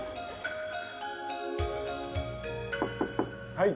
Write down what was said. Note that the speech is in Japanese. ・はい。